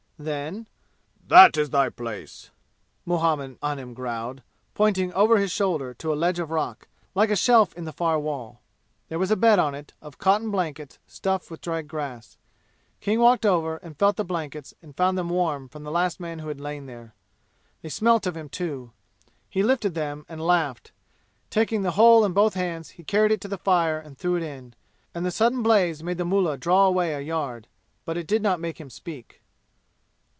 Then, "That is thy place!" Muhammad Anim growled, pointing over his shoulder to a ledge of rock, like a shelf in the far wall. There was a bed upon it, of cotton blankets stuffed with dry grass. King walked over and felt the blankets and found them warm from the last man who had lain there. They smelt of him too. He lifted them and laughed. Taking the whole in both hands he carried it to the fire and threw it in, and the sudden blaze made the mullah draw away a yard; but it did not make him speak.